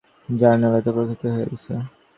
জার্নালে তা প্রকাশিত হয়ে গেছে।